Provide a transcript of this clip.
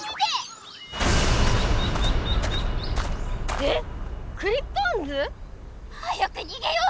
えっクリプトオンズ⁉早くにげよう！